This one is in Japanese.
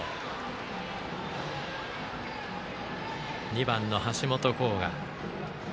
２番の橋本航河。